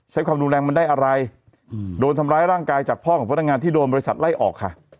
ความรุนแรงมันได้อะไรโดนทำร้ายร่างกายจากพ่อของพนักงานที่โดนบริษัทไล่ออกค่ะ